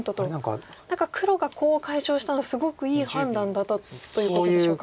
何か黒がコウを解消したのはすごくいい判断だったということでしょうか。